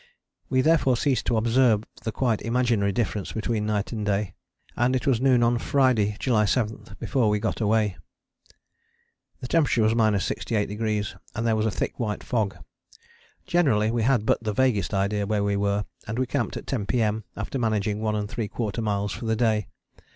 We therefore ceased to observe the quite imaginary difference between night and day, and it was noon on Friday (July 7) before we got away. The temperature was 68° and there was a thick white fog: generally we had but the vaguest idea where we were, and we camped at 10 P.M. after managing 1¾ miles for the day.